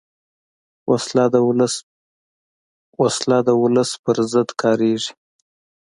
وسله د ولس پر ضد کارېږي